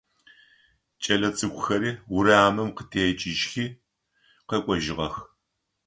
Кӏэлэцӏыкӏухэри урамым къытекӏыжьхи къэкӏожьыгъэх.